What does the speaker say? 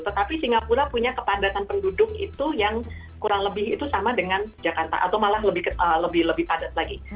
tetapi singapura punya kepadatan penduduk itu yang kurang lebih itu sama dengan jakarta atau malah lebih padat lagi